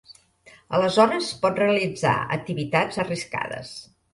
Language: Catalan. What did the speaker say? Aleshores pot realitzar activitats arriscades.